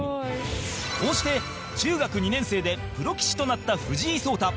こうして、中学２年生でプロ棋士となった藤井聡太